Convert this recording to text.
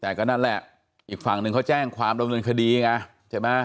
แต่ก็นั่นแหละอีกฝั่งหนึ่งเขาแจ้งความดำเนินคดีไงใช่ไหม